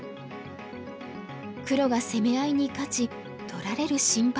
黒が攻め合いに勝ち取られる心配はない。